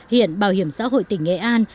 hiện bảo hiểm xã hội tỉnh nghệ an